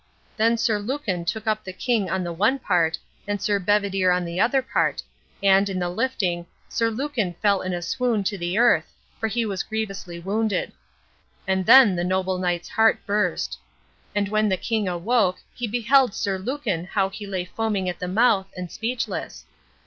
Then Sir Lucan took up the king on the one part, and Sir Bedivere on the other part; and in the lifting, Sir Lucan fell in a swoon to the earth, for he was grievously wounded. And then the noble knight's heart burst. And when the king awoke he beheld Sir Lucan how he lay foaming at the mouth, and speechless.